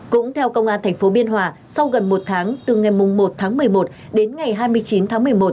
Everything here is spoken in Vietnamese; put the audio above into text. cũng theo công an tp biên hòa sau gần một tháng từ ngày một tháng một mươi một đến ngày hai mươi chín tháng một mươi một